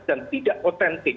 dan tidak otentik